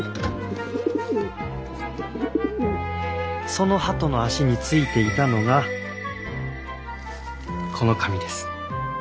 その鳩の脚についていたのがこの紙です。